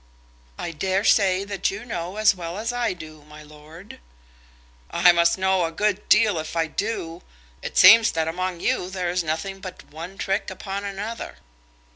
"I daresay that you know as well as I do, my lord." "I must know a good deal if I do. It seems that among you there is nothing but one trick upon another."